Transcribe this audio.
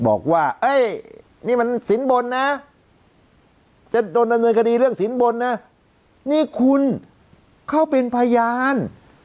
บอกว่านี่มันสินบนนะจะโดนดำเนินคดีเรื่องสินบนนะนี่คุณเขาเป็นพยาน